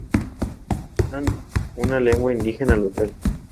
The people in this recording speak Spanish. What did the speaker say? Hablan una lengua indígena local.